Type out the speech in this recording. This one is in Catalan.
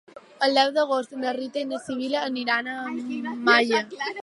El deu d'agost na Rita i na Sibil·la aniran a Malla.